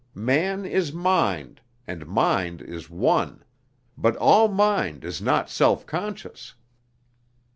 Man is mind, and mind is one; but all mind is not self conscious.